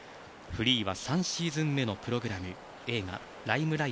フリーは３シーズン目のプログラム。